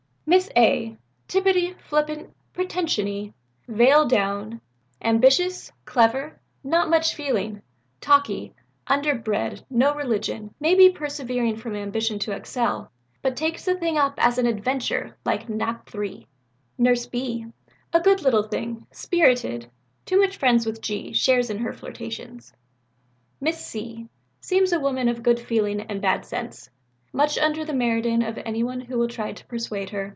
"Miss A. Tittupy, flippant, pretension y, veil down, ambitious, clever, not much feeling, talk y, underbred, no religion, may be persevering from ambition to excel, but takes the thing up as an adventure like Nap. III." "Nurse B. A good little thing, spirited, too much friends with G., shares in her flirtations." "Miss C. Seems a woman of good feeling and bad sense; much under the meridian of anybody who will try to persuade her.